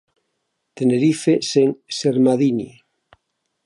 Tenerife sen Sermadini.